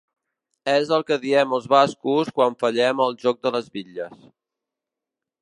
És el que diem els bascos quan fallem al joc de les bitlles.